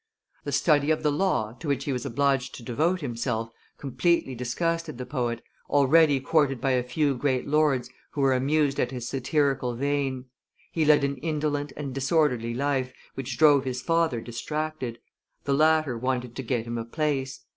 The study of the law, to which he was obliged to devote himself, completely disgusted the poet, already courted by a few great lords who were amused at his satirical vein; he led an indolent and disorderly life, which drove his father distracted; the latter wanted to get him a place.